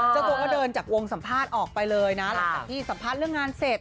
เจ้าตัวก็เดินจากวงสัมภาษณ์ออกไปเลยนะหลังจากที่สัมภาษณ์เรื่องงานเสร็จ